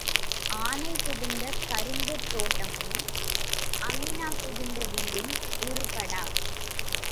ஆனை புகுந்த கரும்புத் தோட்டமும் அமீனா புகுந்த வீடும் உருப்படா.